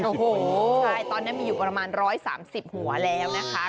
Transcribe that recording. โอ้โหใช่ตอนนี้มีอยู่ประมาณ๑๓๐หัวแล้วนะคะ